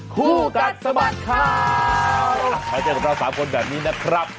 ผู้กัดสบัดค่ะในก็จะเจอกับเรา๓คนแบบนี้นะครับ